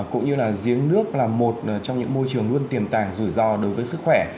cũng như là giếng nước là một trong những môi trường luôn tiềm tàng rủi ro đối với sức khỏe